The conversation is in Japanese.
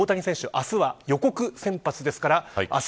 明日は予告先発ですから明日